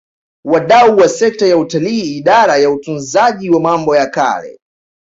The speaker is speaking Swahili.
Wadau wa sekta ya utalii Idara ya Utunzaji wa Mambo ya Kale